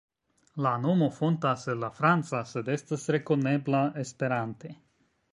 La nomo fontas el la franca, sed estas rekonebla Esperante.